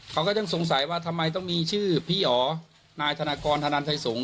เขาก็ยังสงสัยว่าทำไมต้องมีชื่อพี่อ๋อนายธนากรธนันไทยสงฆ